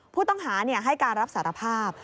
ผู้ต้องหาให้การรับสารภาพ